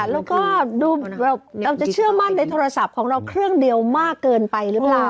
แล้วก็ดูเราจะเชื่อมั่นในโทรศัพท์ของเราเครื่องเดียวมากเกินไปหรือเปล่า